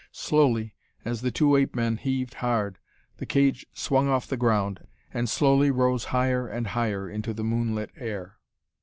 Slowly, as the two ape men heaved hard, the cage swung off the ground, and slowly rose higher and higher into the moonlit air.